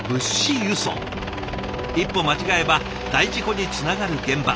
一歩間違えば大事故につながる現場。